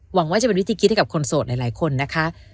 หวังว่าจะเป็นวิธีคิดให้กับคนโสดหลายคนนะคะ